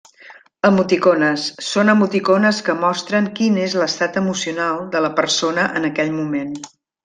Emoticones: són emoticones que mostren quin és l'estat emocional de la persona en aquell moment.